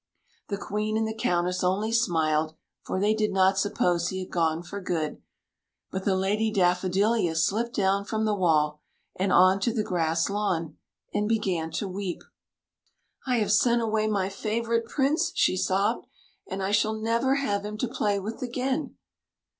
The Queen and the Countess only smiled, for they did not suppose he had gone for good ; but the Lady Daffodilia slipped down from the wall and on to the grass lawn, and began to weep. " I have sent away my favourite Prince," she sobbed, '' and I shall never have him to play with again."